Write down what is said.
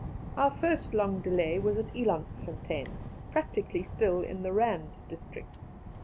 Our first long delay was at Elandsfontein, practically still in the Rand District.